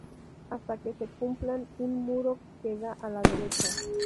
Hasta que se cumplan, un muro queda a la derecha".